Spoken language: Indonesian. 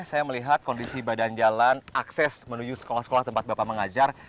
saya melihat kondisi badan jalan akses menuju sekolah sekolah tempat bapak mengajar